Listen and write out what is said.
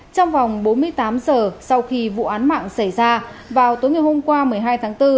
trong vòng bốn mươi tám giờ sau khi vụ án mạng xảy ra vào tối ngày hôm qua một mươi hai tháng bốn